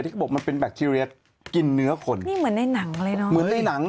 เขาบอกมันเป็นแบคทีเรียกินเนื้อคนนี่เหมือนในหนังเลยเนอะเหมือนในหนัง